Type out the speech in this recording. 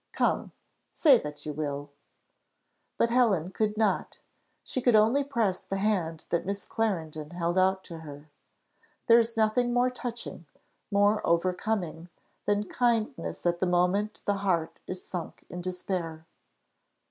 Come! say that you will." But Helen could not; she could only press the hand that Miss Clarendon held out to her. There is nothing more touching, more overcoming, than kindness at the moment the heart is sunk in despair.